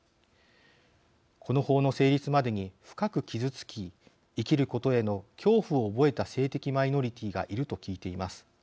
この法の成立までに深く傷つき生きることへの恐怖を覚えた性的マイノリティーがいると聞いています。